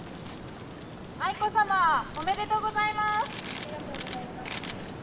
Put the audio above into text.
愛子さまおめでとうございます！